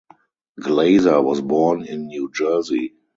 Glaser was born in New Jersey.